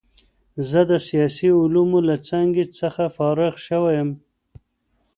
زه د سیاسي علومو له څانګې څخه فارغ شوی یم.